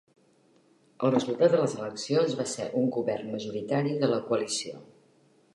El resultat de les eleccions va ser un govern majoritari de la coalició.